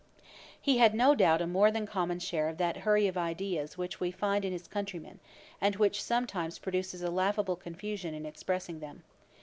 He had, no doubt, a more than common share of that hurry of ideas which we often find in his countrymen, and which sometimes produces a laughable confusion in expressing them.